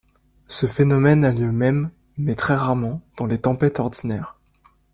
Ce phénomène a lieu même, mais très rarement, dans les tempêtes ordinaires.